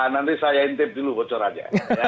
nanti saya intip dulu bocorannya